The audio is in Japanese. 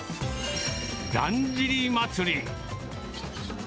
だんじり祭り。